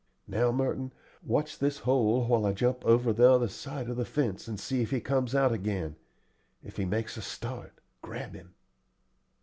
Now, Merton, watch this hole while I jump over the other side of the fence and see if he comes out again. If he makes a start, grab him."